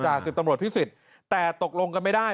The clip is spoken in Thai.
สิบตำรวจพิสิทธิ์แต่ตกลงกันไม่ได้